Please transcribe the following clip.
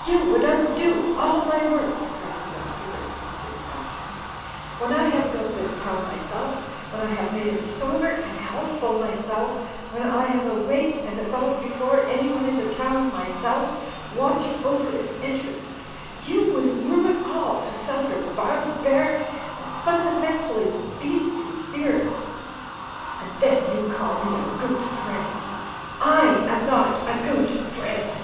"You would undo all my works," cried the Doctor, with sincere passion. "When I have built this town myself, when I have made it sober and healthful my self, when I am awake and about before anyone in the town myself, watching over its interests — ^you would ruin all to sell your barbaric and fundamentally beastly beer. And then you call me a goot friend. I am not a goot friend